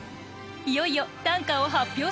いよいよ短歌を発表します！